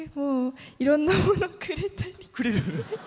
いろんなもの、くれたり。